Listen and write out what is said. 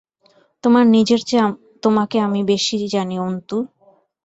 তোমার নিজের চেয়ে তোমাকে আমি বেশি জানি অন্তু।